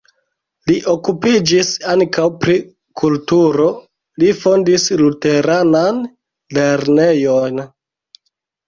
Li okupiĝis ankaŭ pri kulturo, li fondis luteranan lernejon.